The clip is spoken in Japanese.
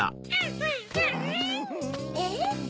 えっ？